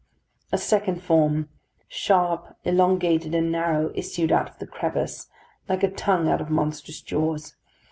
A second form, sharp, elongated, and narrow, issued out of the crevice, like a tongue out of monstrous jaws.